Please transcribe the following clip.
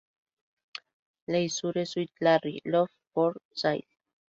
Leisure Suit Larry: Love for Sail!